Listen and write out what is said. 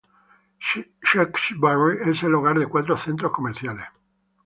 Shrewsbury es el hogar de cuatro centros comerciales.